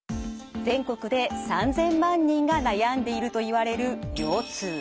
全国で３，０００万人が悩んでいるといわれる腰痛。